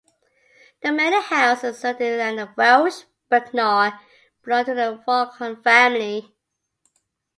The manor house and surrounding land of Welsh Bicknor belonged to the Vaughan family.